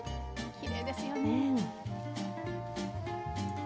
きれいですよね。